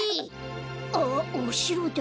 あっおしろだ。